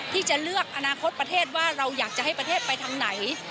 ที่จะเลือกอนาคตประเทศว่าเราอยากจะให้ประเทศไปทางไหน